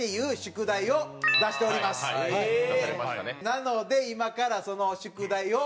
なので今からその宿題を。